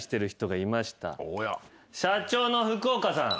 社長の福岡さん。